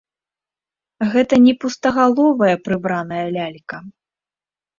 Гэта не пустагаловая прыбраная лялька.